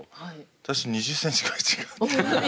私２０ｃｍぐらい違う。